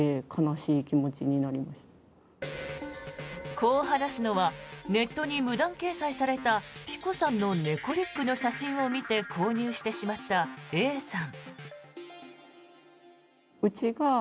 こう話すのはネットに無断掲載されたｐｉｃｏさんの猫リュックの写真を見て購入してしまったＡさん。